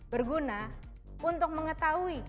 berguna untuk mengetahui